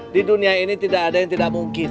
di dunia ini tidak ada yang tidak mungkin